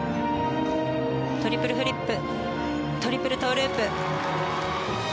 トリプルフリップトリプルトウループ。